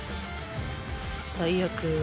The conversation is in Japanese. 最悪。